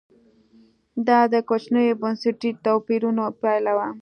دا د کوچنیو بنسټي توپیرونو پایله وه